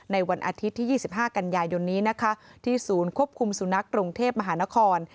วันอาทิตย์ที่๒๕กันยายนนี้นะคะที่ศูนย์ควบคุมสุนัขกรุงเทพมหานคร